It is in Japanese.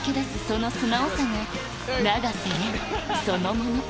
その素直さが永瀬廉そのもの